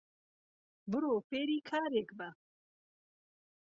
بڕۆ فێری کارێک بە